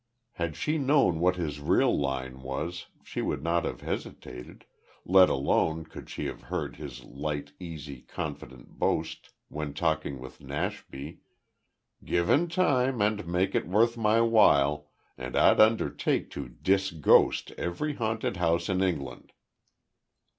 Had she known what his real line was she would not have hesitated let alone could she have heard his light, easy, confident boast, when talking with Nashby: "Given time, and make it worth my while, and I'd undertake to dis ghost every haunted house in England."